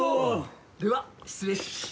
では失礼。